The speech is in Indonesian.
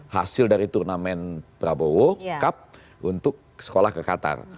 hasil dari turnamen prabowo cup untuk sekolah ke qatar